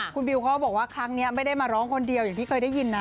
คุณบิวเขาบอกว่าครั้งนี้ไม่ได้มาร้องคนเดียวอย่างที่เคยได้ยินนะ